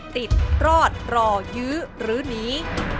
ติดรอดรอยื้อหรือหนี